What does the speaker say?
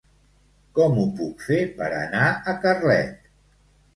Com ho puc fer per anar a Carlet?